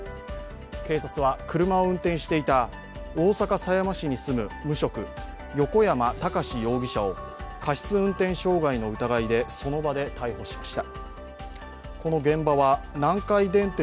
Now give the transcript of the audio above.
警察は車を運転していた大阪・狭山市に住む無職横山孝容疑者を過失運転傷害の疑いでその場で逮捕しました。